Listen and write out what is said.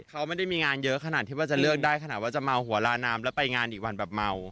เขาไม่ได้มีงานเยอะขนาดที่ว่าจะเลือกได้ขนาดว่าจะเมาหัวลานามแล้วไปงานอีกวันแบบเมา